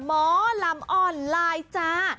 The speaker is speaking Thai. หมอลำออนไลน์จ้า